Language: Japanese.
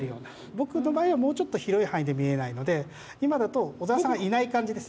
僕の場合はもうちょっと広い範囲で見えないので今だと小沢さんがいない感じです。